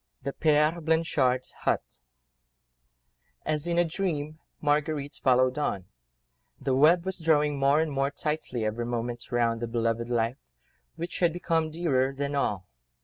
THE PÈRE BLANCHARD'S HUT As in a dream, Marguerite followed on; the web was drawing more and more tightly every moment round the beloved life, which had become dearer than all.